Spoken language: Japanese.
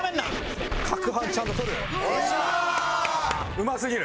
うますぎる！